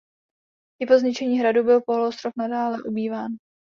I po zničení hradu byl poloostrov nadále obýván.